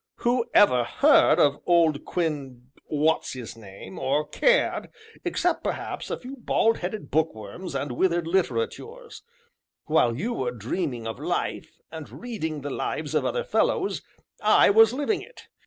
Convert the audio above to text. Whoever heard of Old Quin What's his name, or cared, except, perhaps, a few bald headed bookworms and withered litterateurs? While you were dreaming of life, and reading the lives of other fellows, I was living it.